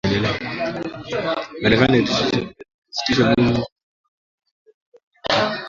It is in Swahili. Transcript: Marekani ilisitisha mwezi Machi kwa ghafla mazungumzo yaliokuwa yakiendelea.